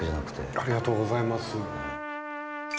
ありがとうございます。